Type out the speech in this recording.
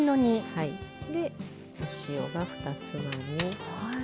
お塩が２つまみ。